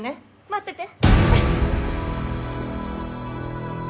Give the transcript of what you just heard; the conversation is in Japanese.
待ってて。